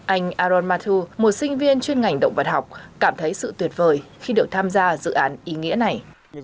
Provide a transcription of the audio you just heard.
anh aaron mathu một sinh viên chuyên ngành động vật học cảm thấy sự tuyệt vời khi được tham gia dự án ý nghĩa này